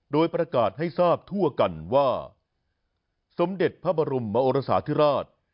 โดยประกาศให้ทราบทั่วกันว่าสมเด็จพระบรมมโอรสาธิราช